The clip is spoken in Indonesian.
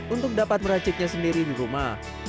untuk dapat meraciknya sendiri di rumah